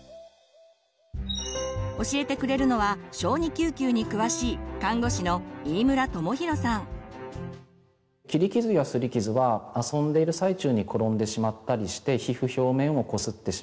教えてくれるのは小児救急に詳しい切り傷やすり傷は遊んでいる最中に転んでしまったりして皮膚表面を擦ってしまったり。